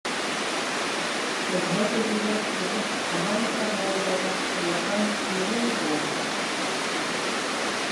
Эҥэ сиригэр урут хаһан да буолбатах улахан уруу буолбут